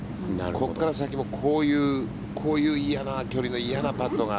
ここから先もこういう嫌な距離の嫌なパットが。